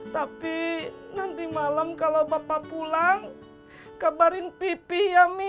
tapi nanti malam kalau bapak pulang kabarin pipi yami